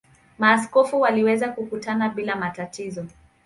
Maaskofu waliweza kukutana bila matatizo.